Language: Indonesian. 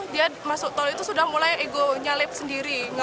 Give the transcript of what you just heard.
dia masuk tol itu sudah mulai ego nyalip sendiri